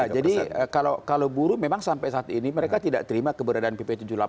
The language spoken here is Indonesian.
jadi kalau buruh memang sampai saat ini mereka tidak terima keberadaan pp tujuh puluh delapan